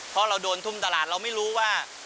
เพราะเราโดนทุ่มตลาดเราไม่รู้ว่า